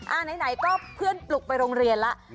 ไหนก็เพื่อนปลุกไปโรงเรียนแล้ว